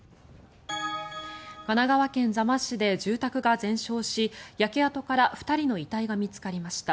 神奈川県座間市で住宅が全焼し焼け跡から２人の遺体が見つかりました。